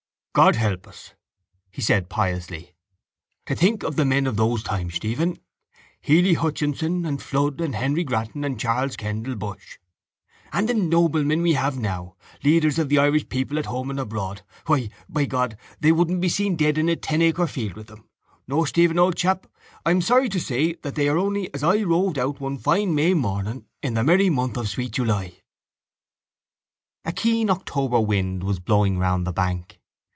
—God help us! he said piously, to think of the men of those times, Stephen, Hely Hutchinson and Flood and Henry Grattan and Charles Kendal Bushe, and the noblemen we have now, leaders of the Irish people at home and abroad. Why, by God, they wouldn't be seen dead in a ten acre field with them. No, Stephen, old chap, I'm sorry to say that they are only as I roved out one fine May morning in the merry month of sweet July. A keen October wind was blowing round the bank.